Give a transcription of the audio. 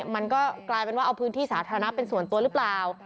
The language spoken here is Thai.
มันก็กลายเป็นว่าเอาพื้นที่สาธารณะเป็นส่วนตัวหรือเปล่า